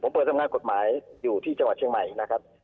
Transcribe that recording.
ผมเปิดทำงานกฎหมายอยู่ที่จังหวัดเชียงใหม่นะครับ